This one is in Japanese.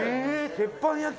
鉄板焼き？